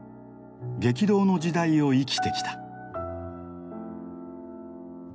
激動の時代を生きてきた。